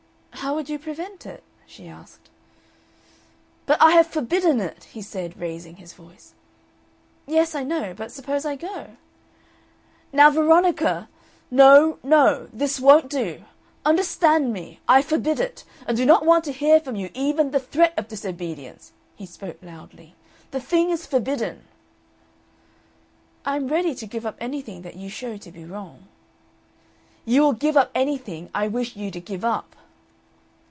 "How would you prevent it?" she asked. "But I have forbidden it!" he said, raising his voice. "Yes, I know. But suppose I go?" "Now, Veronica! No, no. This won't do. Understand me! I forbid it. I do not want to hear from you even the threat of disobedience." He spoke loudly. "The thing is forbidden!" "I am ready to give up anything that you show to be wrong." "You will give up anything I wish you to give up."